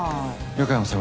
横山さん